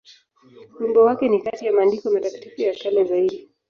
Wimbo wake ni kati ya maandiko matakatifu ya kale zaidi.